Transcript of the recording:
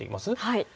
はい。